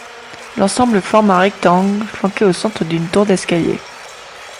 L'ensemble forme un rectangle, flanqué au centre d'une tour d'escalier.